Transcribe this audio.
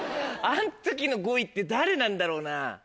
あの時の５位って誰なんだろうな？